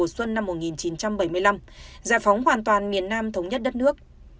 xuân năm một nghìn chín trăm bảy mươi năm giải phóng hoàn toàn miền nam thống nhất đất nước